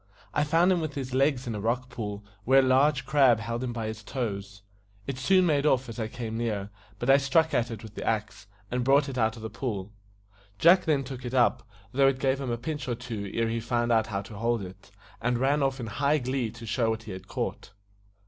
I found him with his legs in a rock pool, where a large crab held him by his toes. It soon made off as I came near; but I struck at it with the axe, and brought it out of the pool. Jack then took it up, though it gave him a pinch or two ere he found out how to hold it, and ran off in high glee to show what he had caught.